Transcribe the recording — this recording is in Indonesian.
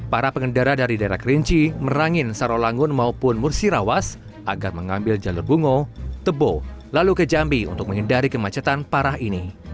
para pengendara dari daerah kerinci merangin sarawangun maupun mursirawas agar mengambil jalur bungo tebo lalu ke jambi untuk menghindari kemacetan parah ini